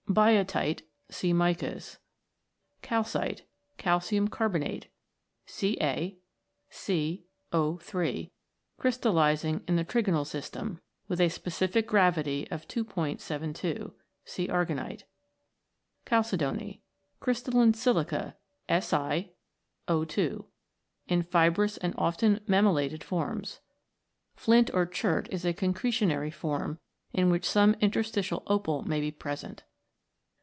Biotite. See Micas. Calcite. Calcium carbonate, CaC0 3 , crystallising in the trigonal system, with a specific gravity of 272. See Aragonite. Chalcedony. Crystalline silica, Si0 2 , in fibrous and often mammillated forms. Flint or Chert is a concretionary form, in which some interstitial opal may be present.